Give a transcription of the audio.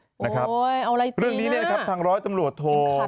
โอ๊ยเอาอะไรตีน่ะอิมคัดเหรอเรื่องนี้นะครับทางร้อยตำรวจโทร